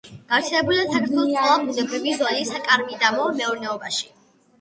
გავრცელებულია საქართველოს ყველა ბუნებრივი ზონის საკარმიდამო მეურნეობაში.